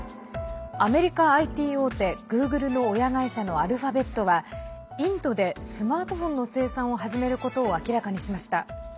アメリカＩＴ大手グーグルの親会社のアルファベットはインドでスマートフォンの生産を始めることを明らかにしました。